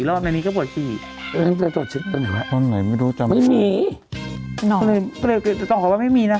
บอกช่วงนี้ต้องดื่มน้ำเยอะเยอะ